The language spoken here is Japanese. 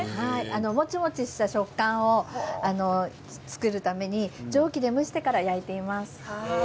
もちもちした食感を作るために蒸気で蒸してから焼いています。